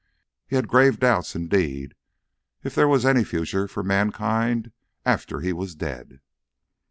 He had grave doubts, indeed, if there was any future for mankind after he was dead.